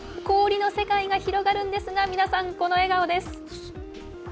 氷の世界が広がるんですが皆さん、この笑顔です。